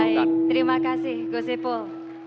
baik terima kasih guzipul